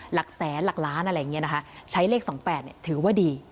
หลักแสนหลักล้านอะไรอย่างนี้นะคะใช้เลข๒๘ถือว่าดี